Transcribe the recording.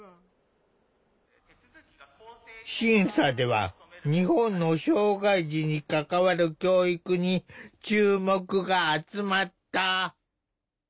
審査では日本の障害児に関わる教育に注目が集まった。